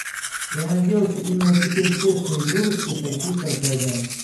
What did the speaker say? Я надеялся именно теперь тесно и дружески сойтись с Аркадием.